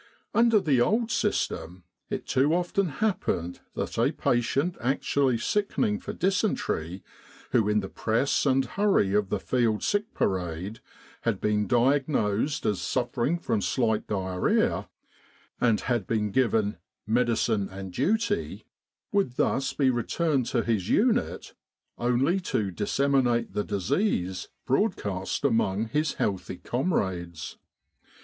Under the old system it too often happened that_a patient actually sickening for dysentery who in the press and hurry of the Field Sick Parade had been diagnosed as suffering from slight diarrhoea and had 196 ri Field and Base Laboratories been given "medicine and duty,'* would thus be returned to his unit only to disseminate the disease broadcast among his healthy comrades.